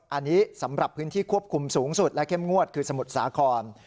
อันนี้สำหรับพื้นที่ควบคุมสูงสุดและเข้มงวดคือสมุทรสาคร